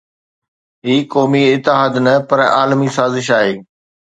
هي قومي اتحاد نه پر عالمي سازش آهي.